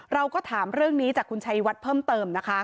เราก็ถามเรื่องนี้จากคุณชัยวัดเพิ่มเติมนะคะ